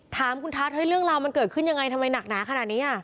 ถามคุณทัศน์เรื่องราวมันเกิดขึ้นยังไงทำไมหนักหนาขนาดนี้